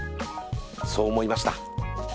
そう思いました。